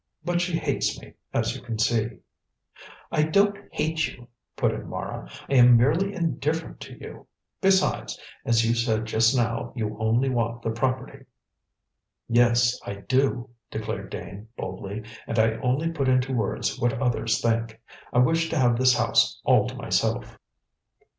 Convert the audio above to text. But she hates me, as you can see." "I don't hate you!" put in Mara. "I am merely indifferent to you! Besides, as you said just now, you only want the property." "Yes, I do," declared Dane boldly; "and I only put into words what other people think. I wish to have this house all to myself."